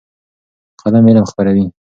قلم علم خپروي.